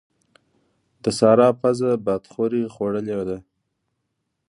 د سارا پزه بادخورې خوړلې ده.